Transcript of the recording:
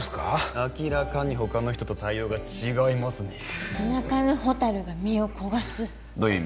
明らかに他の人と対応が違いますね鳴かぬ蛍が身を焦がすどういう意味？